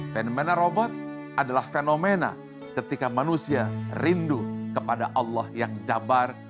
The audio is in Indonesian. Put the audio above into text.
fenomena robot adalah fenomena ketika manusia rindu kepada allah yang jabar